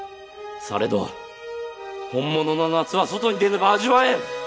されど本物の夏は外に出ねば味わえん！